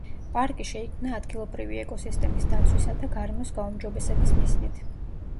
პარკი შეიქმნა ადგილობრივი ეკოსისტემის დაცვისა და გარემოს გაუმჯობესების მიზნით.